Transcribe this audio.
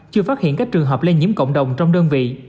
chưa phát hiện các trường hợp lây nhiễm cộng đồng trong đơn vị